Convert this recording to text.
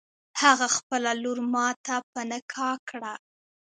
هغه خپله لور ماته په نکاح کړه.